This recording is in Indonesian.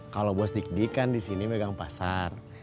kalau bos dik dik kan di sini pegang pasar